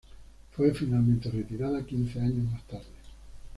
Fue finalmente retirada quince años más tarde.